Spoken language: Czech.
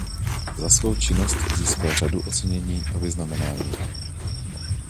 Za svou činnost získal řadu ocenění a vyznamenání.